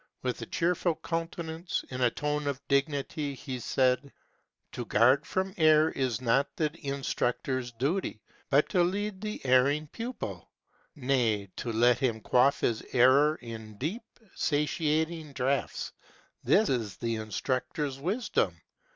With a cheerful countenance, in a tone of dignity, he said, "To guard from error is not the instructor's duty, but to lead the erring pupil ; nay, to let him quaff his error in deep, satiating draughts, this is the instructor's wisdom.